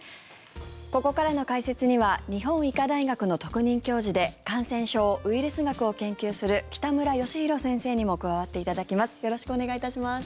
ここからの解説には日本医科大学の特任教授で感染症、ウイルス学を研究する北村義浩先生にも加わっていただきます。